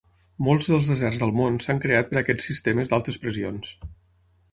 Molts dels deserts del món s'han creat per aquests sistemes d'altes pressions.